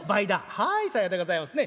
「はいさようでございますね。